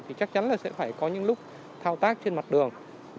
thì chắc chắn là sẽ phải có những lúc thao tác trên mặt đường